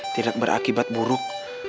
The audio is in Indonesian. tidak berakibat buruk